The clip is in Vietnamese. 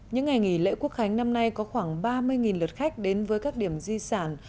những ngày nghỉ lễ quốc khánh năm nay có khoảng ba mươi lượt khách đến với các điểm di sản